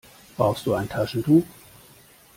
Brauchst du ein Taschentuch?